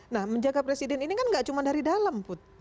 nah menjaga presiden ini kan gak cuma dari dalam put